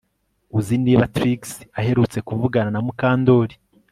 Uzi niba Trix aherutse kuvugana na Mukandoli